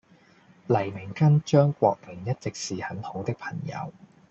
黎明跟張國榮一直是很好的朋友。